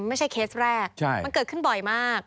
เคสแรกมันเกิดขึ้นบ่อยมาก